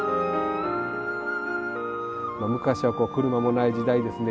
昔は車もない時代ですね。